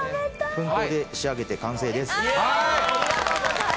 粉糖で仕上げて完成です。